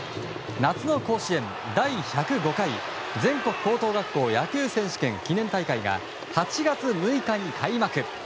夏の甲子園第１０５回全国高等学校野球選手権記念大会が８月６日に開幕。